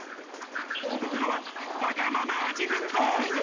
ここからは、わがまま味変タイム。